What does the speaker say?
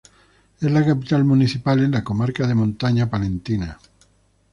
Es la capital municipal, en la comarca de Montaña Palentina.